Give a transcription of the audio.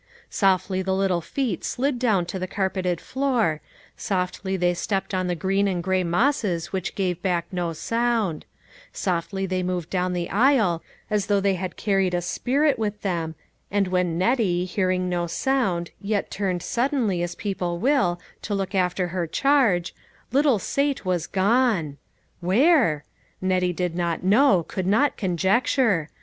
Softly the little feet slid down to the carpeted floor, softly they stepped on the green and gray mosses which gave back no sound ; softly they moved down the aisle as though they carried a spirit with them, and when Nettie, hearing no sound, yet turned suddenly as people will, to look after her charge, little Sate was gone ! Where ? Nettie did not know, could not conjecture.